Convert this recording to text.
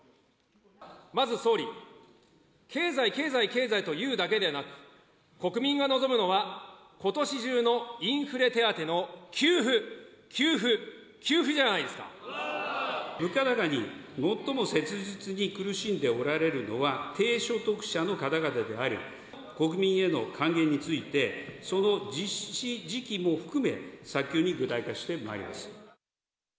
まず総理、経済、経済、経済と言うだけでなく、国民が望むのはことし中のインフレ手当の給付、給付、給付じゃな物価高に最も切実に苦しんでおられるのは、低所得者の方々であり、国民への還元について、その実施時期も含め、早急に具体化してまいります。